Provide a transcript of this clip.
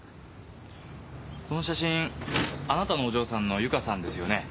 この写真あなたのお嬢さんの由香さんですよね？